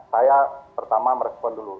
saya pertama merespon dulu